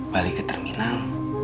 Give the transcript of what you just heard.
balik ke terminal